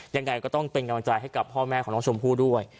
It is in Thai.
ยังไงก็ต้องเป็นกำลังใจให้กับพ่อแม่ของน้องชมพู่ด้วย